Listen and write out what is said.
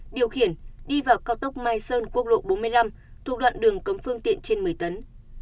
điều khiển đi vào cao tốc mai sơn quốc lộ bốn mươi năm thuộc đoạn đường cấm phương tiện trên một mươi tấn